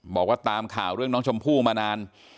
บอกว่าตามข่าวเรื่องน้องชมพู่มานาน